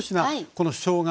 このしょうが